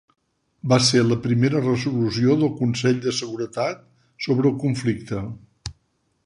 Va ser la primera resolució del Consell de Seguretat sobre el conflicte.